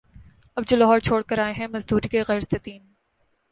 اب جو لاہور چھوڑ کے آئے ہیں، مزدوری کی غرض سے تین